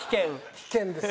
危険です。